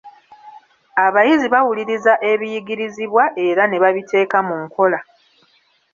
Abayizi bawuliriza ebiyigirizibwa era ne babiteeka mu nkola.